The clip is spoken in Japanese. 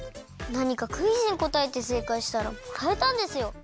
なにかクイズにこたえてせいかいしたらもらえたんですよ。